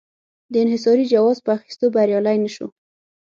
د انحصاري جواز په اخیستو بریالی نه شو.